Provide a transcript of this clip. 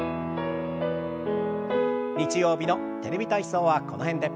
日曜日の「テレビ体操」はこの辺で。